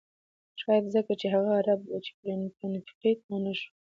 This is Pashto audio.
شاید ځکه چې هغه عرب و چې پرې تنقید و نه شو.